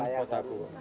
saya pak otaku